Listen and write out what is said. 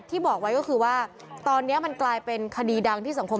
บอกไว้ก็คือว่าตอนนี้มันกลายเป็นคดีดังที่สังคม